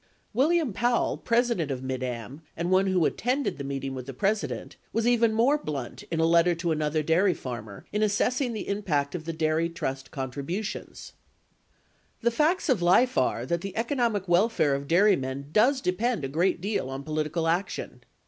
27 William Powell, President of Mid Am and one who attended the meeting with the President, was even more blunt in a letter to another dairy farmer in assessing the impact of the daily trust contributions: The facts of life are that the economic welfare of dairymen does depend a great deal on political action.